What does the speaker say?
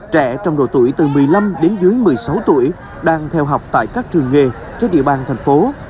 trẻ trong độ tuổi từ một mươi năm đến dưới một mươi sáu tuổi đang theo học tại các trường nghề trên địa bàn thành phố